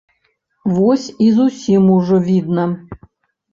Вось і зусім ужо відна.